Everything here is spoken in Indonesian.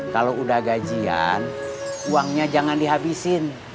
kalau udah gajian uangnya jangan dihabisin